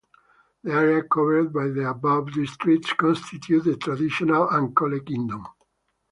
The area covered by the above districts constituted the traditional Ankole Kingdom.